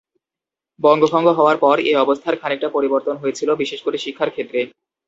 বঙ্গভঙ্গ হওয়ার পর এ অবস্থার খানিকটা পরিবর্তন হয়েছিল, বিশেষ করে শিক্ষার ক্ষেত্রে।